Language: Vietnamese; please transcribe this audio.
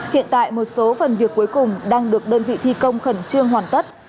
hiện tại một số phần việc cuối cùng đang được đơn vị thi công khẩn trương hoàn tất